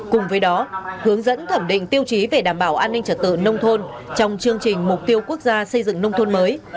cùng với đó hướng dẫn thẩm định tiêu chí về đảm bảo an ninh trật tự nông thôn trong chương trình mục tiêu quốc gia xây dựng nông thôn mới